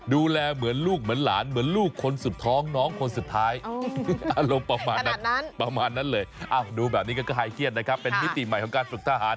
ดูแบบนี้ก็ไฮเคียนนะครับเป็นมิติใหม่ของการฝึกทหาร